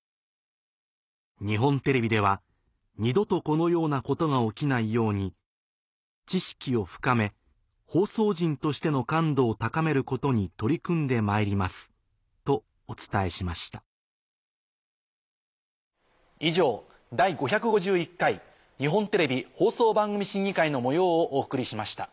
「日本テレビでは二度とこのようなことが起きないように知識を深め放送人としての感度を高めることに取り組んでまいります」とお伝えしました以上「第５５１回日本テレビ放送番組審議会」の模様をお送りしました。